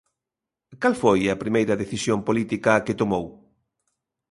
Cal foi a primeira decisión política que tomou?